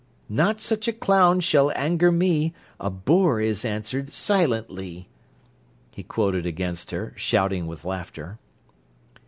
"Not such a clown shall anger me, A boor is answered silently" he quoted against her, shouting with laughter.